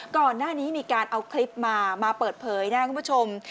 ก่อนหน้านี้มีการเอาคลิปมามาเปิดเผยนะครับคุณผู้ชม